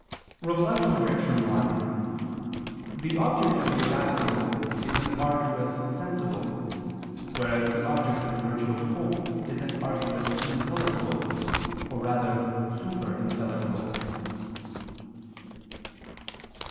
Reply Obj. 1: The object of the irascible is an arduous sensible: whereas the object of the virtue of hope is an arduous intelligible, or rather superintelligible.